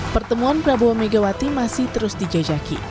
pertemuan prabowo megawati masih terus dijajaki